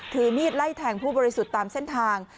ถือมีดไล่แทงผู้บริสุทธิ์ตามเส้นทาง